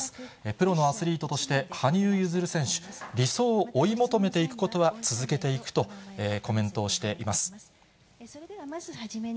プロのアスリートとして、羽生結弦選手、理想を追い求めていくことは続けていくとコメントをしています。